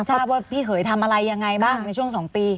ทราบว่าพี่เขยทำอะไรยังไงบ้างในช่วง๒ปี